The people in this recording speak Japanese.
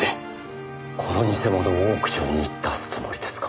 この偽物をオークションに出すつもりですか？